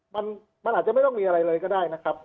มันอาจจะไม่ต้องมีอะไรเลยก็ได้นะครับ